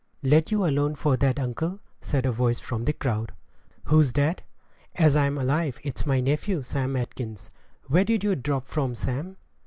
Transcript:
"Let you alone for that, uncle," said a voice from the crowd. "Who's that? As I'm alive it's my nephew, Sam Atkins. Where did you drop from, Sam?"